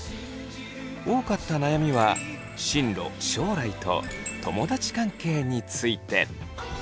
多かった悩みは進路将来と友だち関係について。